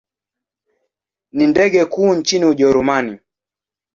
Ni ndege kuu nchini Ujerumani.